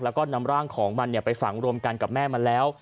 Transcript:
แล้วก็นำร่างของมันไปฝังรวมกันกับแม่มันแล้ว